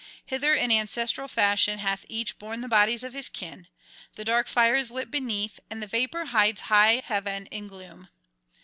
Hither in ancestral fashion hath each borne the bodies of his kin; the dark fire is lit beneath, and the vapour hides high heaven in gloom.